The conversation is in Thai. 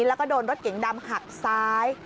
แล้วก็โดนรถเก๋งดำหักซ้าย